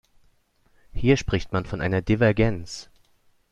Hier spricht man von einer Divergenz.